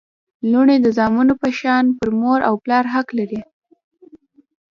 لوڼي د زامنو په شان پر مور او پلار حق لري